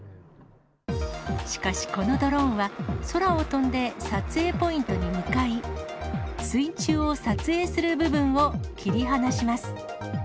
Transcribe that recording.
しかし、このドローンは空を飛んで、撮影ポイントに向かい、水中を撮影する部分を切り離します。